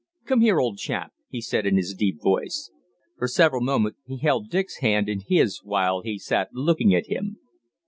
"Come here, old chap," he said in his deep voice. For several moments he held Dick's hand in his while he sat looking at him.